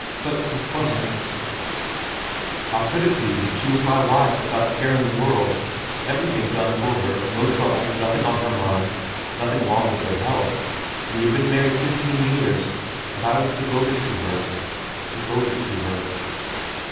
' But^ it wasn't ?'* How could it be ? She was my wife, without a care in the world, everything done for her, no troubles, nothing on her mind, nothing wrong with her health. We had been married fifteen years, and I was devoted to her devoted to her.'